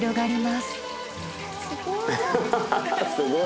すごい。